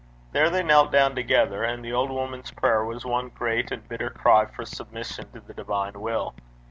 There they knelt down together, and the old woman's prayer was one great and bitter cry for submission to the divine will.